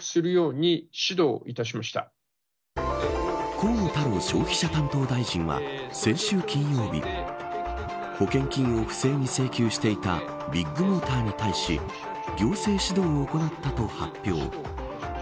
河野太郎消費者担当大臣は先週金曜日保険金を不正に請求していたビッグモーターに対し行政指導を行ったと発表。